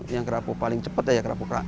yang kerapu paling cepat ya kerapu kerapu